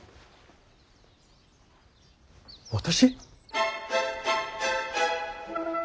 私？